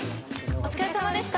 ・お疲れさまでした。